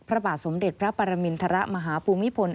พระบาทสมเด็จพระปรมินทรมาฮภูมิพล